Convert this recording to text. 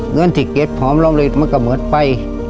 เงื่อนของที่เก็บพร้อมล่อมเลยมันกระเมิดไป